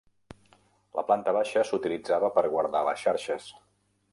La planta baixa s'utilitzava per guardar les xarxes.